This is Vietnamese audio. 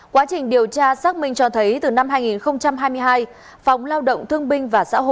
quá trình điều tra xác minh cho thấy từ năm hai nghìn hai mươi hai phóng lao động thương binh và sở hữu